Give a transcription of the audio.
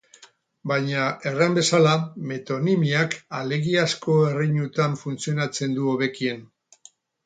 Baina, erran bezala, metonimiak alegiazko erreinuetan funtzionatzen du hobekien.